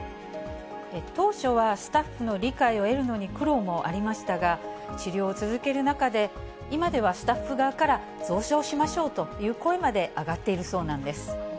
当初はスタッフの理解を得るのに苦労もありましたが、治療を続ける中で、今ではスタッフ側から増床しましょうという声まで上がっているそうなんです。